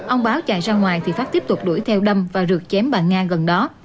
ông báo chạy ra ngoài thì pháp tiếp tục đuổi theo đâm và rượt chém bà nga gần đó